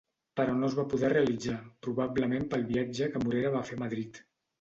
Però no es va poder realitzar, probablement pel viatge que Morera va fer a Madrid.